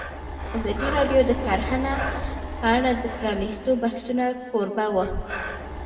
ازادي راډیو د کرهنه په اړه د پرانیستو بحثونو کوربه وه.